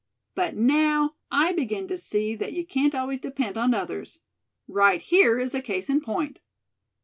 But now I begin to see that you can't always depend on others. Right here is a case in point."